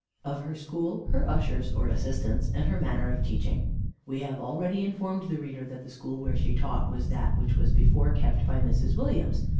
I OF HER SCHOOL, HER USHERS, OR ASSISTANTS, AND HER MANNER OF TEACHING We have already informed the reader, that the school where she taught was that which was before kept by Mrs. Williams.